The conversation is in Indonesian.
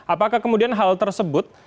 apakah kemudian hal tersebut